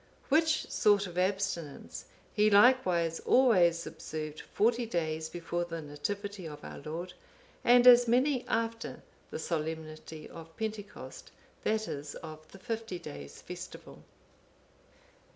Which sort of abstinence he likewise always observed forty days before the Nativity of our Lord, and as many after the solemnity of Pentecost, that is, of the fifty days' festival.